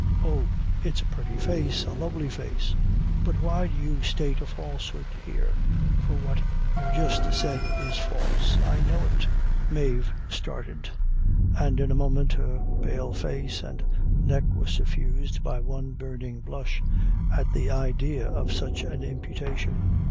Oh, it's a purty face a lovely face. But why do you state a falsehood here for what you've just said is false; I know it." Mave started, and in a moment her pale face and neck were suffused by one burning blush, at the idea of such an imputation.